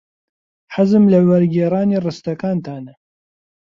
حەزم لە وەرگێڕانی ڕستەکانتانە.